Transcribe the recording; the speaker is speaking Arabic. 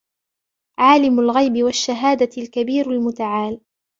عَالِمُ الْغَيْبِ وَالشَّهَادَةِ الْكَبِيرُ الْمُتَعَالِ